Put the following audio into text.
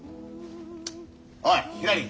おいひらり。